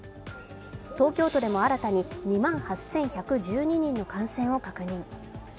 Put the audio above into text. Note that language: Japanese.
東京都でも新たに２万８１１２人の感染を確認。